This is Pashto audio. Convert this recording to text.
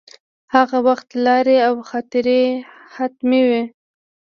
هغه وخت لارې او خطرې حتمې وې.